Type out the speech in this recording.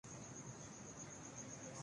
سی بھی سرکاری یا پرائیوٹ چھٹی کے ساتھ